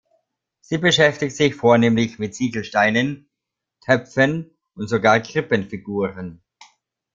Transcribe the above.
Sie beschäftigt sich vornehmlich mit Ziegelsteinen, Töpfen und sogar Krippenfiguren.